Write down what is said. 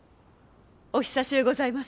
お久しゅうございます。